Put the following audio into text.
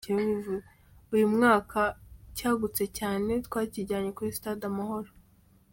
Uyu mwaka cyagutse cyane, twakijyanye kuri Stade Amahoro.